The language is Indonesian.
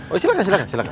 oh silahkan silahkan